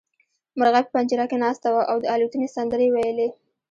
مرغۍ په پنجره کې ناسته وه او د الوتنې سندرې يې ويلې.